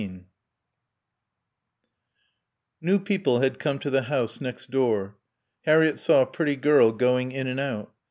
XIII New people had come to the house next door. Harriett saw a pretty girl going in and out.